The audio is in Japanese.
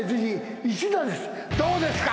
どうですか？